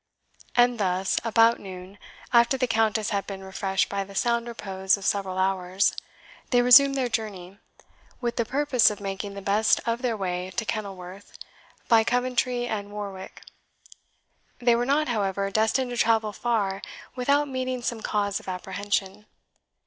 And thus, about noon, after the Countess had been refreshed by the sound repose of several hours, they resumed their journey, with the purpose of making the best of their way to Kenilworth, by Coventry and Warwick. They were not, however, destined to travel far without meeting some cause of apprehension.